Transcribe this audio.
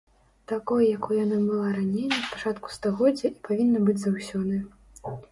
Такой, якой яна была раней, на пачатку стагоддзя, і павінна быць заўсёды.